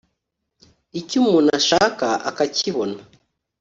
icyo umuntu ashaka akakibona